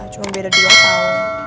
cuma beda dua tahun